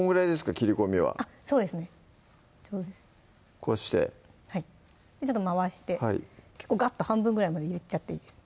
切り込みはそうですねこうしてはいちょっと回して結構ガッと半分ぐらいまで入れちゃっていいです